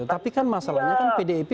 tapi kan masalahnya pdip